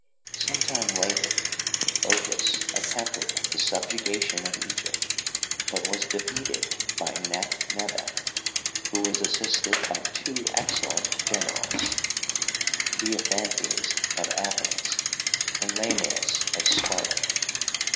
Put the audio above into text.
Some time later Ochus attempted the subjugation of Egypt, but was defeated by Necht nebef, who was assisted by two excellent generals, Diophantes of Athens and Lamius of Sparta.